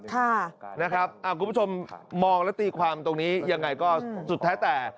คุณผู้ชมมองแล้วตีความตรงนี้ยังไงก็สุดแท้แต่